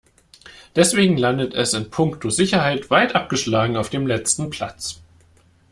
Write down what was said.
Deswegen landet es in puncto Sicherheit weit abgeschlagen auf dem letzten Platz.